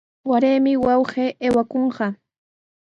Waraymi wawqii aywakunqa.